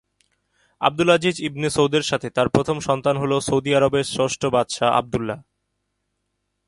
Abdul Aziz ibn সৌদের সাথে তার প্রথম সন্তান হলো সৌদি আরবের ষষ্ঠ বাদশাহ আবদুল্লাহ।